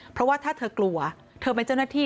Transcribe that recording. เพราะว่าถ้าเธอกลัวเธอเป็นเจ้าหน้าที่